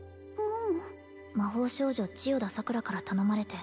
魔法少女千代田桜から頼まれて